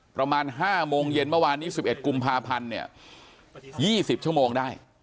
ประมาณ๕โมงเย็นเมื่อวานนี้๑๑กุมภาพันธ์เนี่ย๒๐ชั่วโมงได้